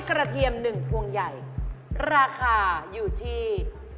เทียม๑พวงใหญ่ราคาอยู่ที่